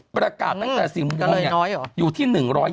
ประกาศตั้งแต่๔โมงอยู่ที่๑๒๐